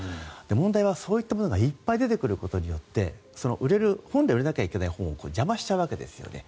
問題はそういったものがいっぱい出てくれることによって本来、売れなきゃいけない本を邪魔しちゃうわけですね。